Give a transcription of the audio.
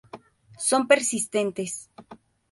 Son persistentes.